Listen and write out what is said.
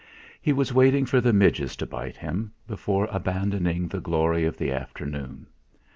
He was waiting for the midges to bite him, before abandoning the glory of the afternoon.